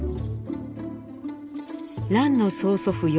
蘭の曽祖父與